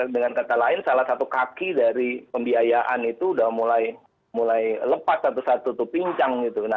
dengan kata lain salah satu kaki dari pembiayaan itu sudah mulai lepas satu satu itu pincang gitu